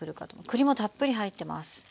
栗もたっぷり入ってます。